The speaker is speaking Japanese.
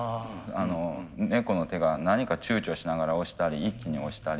猫の手が何かちゅうちょしながら押したり一気に押したり。